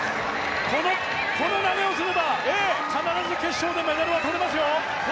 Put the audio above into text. この投げをすれば必ず決勝でメダルは取れますよ！